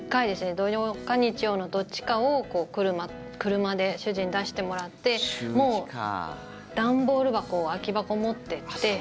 土曜か日曜のどっちかを車で主人に出してもらって段ボール箱空き箱持っていって。